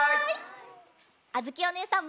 あづきおねえさんも。